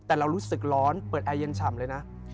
แล้วเรารู้สึกร้อนเปิดไอ้เย็นชำเลยนะ